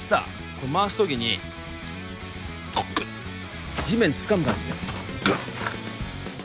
こう回す時にこうグッ地面つかむ感じでグッ